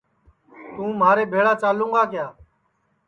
توں مھارے بھیݪا چالوں گا کیا